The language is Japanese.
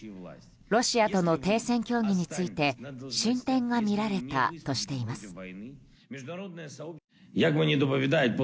ロシアとの停戦協議について進展がみられたとしています。